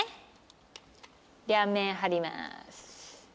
両面貼ります。